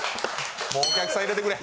もうお客さん入れてくれ。